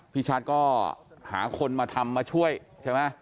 พี่ชัดก็หาคนมาทำมาช่วยใช่ไหม